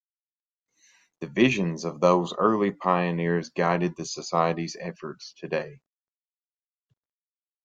The vision of those early pioneers guides the Society's efforts today.